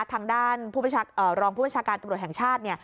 ทางด้านรองผู้บัญชาการตำรวจแห่งชาติ